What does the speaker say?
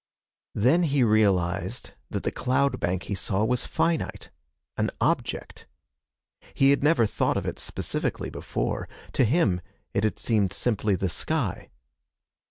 Then he realized that the cloud bank he saw was finite an object. He had never thought of it specifically before. To him it had seemed simply the sky.